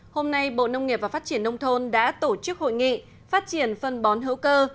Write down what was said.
hôm nay bộ nông nghiệp và phát triển nông thôn đã tổ chức hội nghị phát triển phân bón hữu cơ